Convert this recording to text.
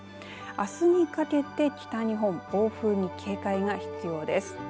あすにかけて北日本暴風に警戒が必要です。